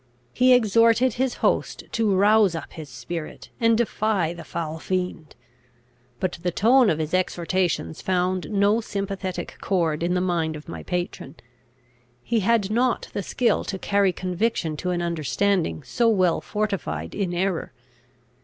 He exhorted his host to rouse up his spirit, and defy the foul fiend; but the tone of his exhortations found no sympathetic chord in the mind of my patron. He had not the skill to carry conviction to an understanding so well fortified in error.